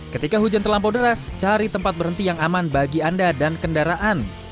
ketika hujan terlampau deras cari tempat berhenti yang aman bagi anda dan kendaraan